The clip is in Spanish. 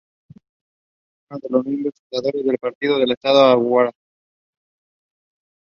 Es uno de los miembros fundadores del partido en el estado Aragua.